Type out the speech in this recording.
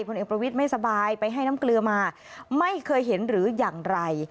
เอกประวิทย์ไม่สบายไปให้น้ำเกลือมาไม่เคยเห็นหรืออย่างไร